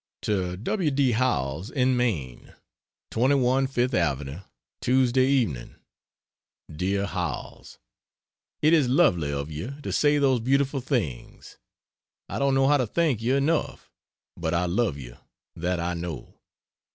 To W. D. Howells, in Maine: 21 FIFTH AVE., Tuesday Eve. DEAR HOWELLS, It is lovely of you to say those beautiful things I don't know how to thank you enough. But I love you, that I know.